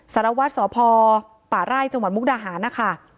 สารวัตรสพป่าไร่จังหวัดมุกดาหารนะคะ